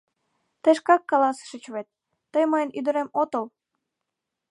Тый шкак каласышыч вет: «Тый мыйын ӱдырем отыл!»